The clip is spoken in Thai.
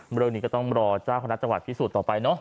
เรื่องนี้ก็ต้องรอเจ้าคณะจังหวัดพิสูจนต่อไปเนอะ